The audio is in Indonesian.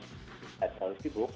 di natal sibuk